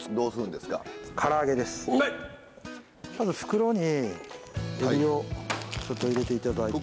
まず袋にエビをちょっと入れて頂いて。